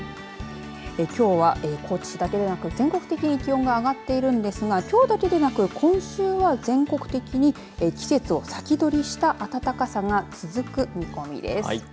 きょうは高知市だけではなく全国的に気温が上がってるんですがきょうだけでなく今週は全国的に季節を先取りした暖かさが続く見込みです。